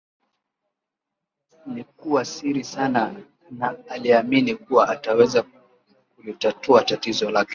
likuwa siri sana na aliamini kuwa ataweza kulitatua tatizo lake